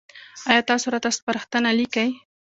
ایا تاسو راته سپارښتنه لیکئ؟